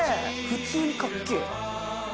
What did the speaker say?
普通にかっけえ。